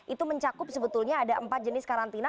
itu mencakup sebetulnya ada empat jenis karantina